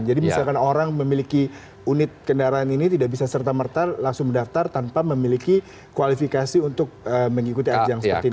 jadi misalkan orang memiliki unit kendaraan ini tidak bisa serta merta langsung mendaftar tanpa memiliki kualifikasi untuk mengikuti ajang seperti ini